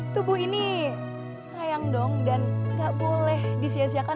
tubuh ini sayang dong dan gak boleh disiasiakan